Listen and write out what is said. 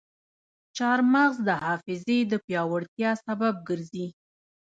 چارمغز د حافظې د پیاوړتیا سبب ګرځي.